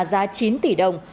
giá chín tỷ đồng